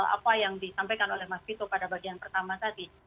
apa yang disampaikan oleh mas vito pada bagian pertama tadi